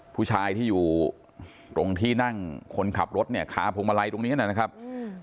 ผู้ชายที่อยู่ตรงที่นั่งคนขับรถเนี่ยขาพวงมาลัยตรงนี้นะครับอืม